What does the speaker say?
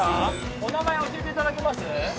お名前教えていただけます？